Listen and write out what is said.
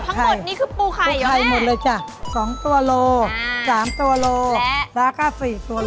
ทั้งหมดนี้คือปูไข่ปูไข่หมดเลยจ้ะ๒ตัวโล๓ตัวโลแล้วก็๔ตัวโล